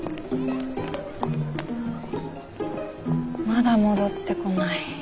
まだ戻ってこない。